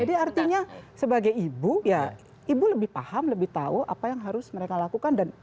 jadi artinya sebagai ibu ibu lebih paham lebih tahu apa yang harus mereka lakukan